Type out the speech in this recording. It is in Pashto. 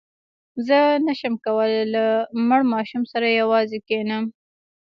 زه نه شم کولای له مړ ماشوم سره یوازې کښېنم.